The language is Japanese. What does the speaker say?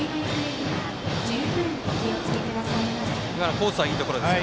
コースはいいところですか。